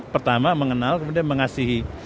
pertama mengenal kemudian mengasihi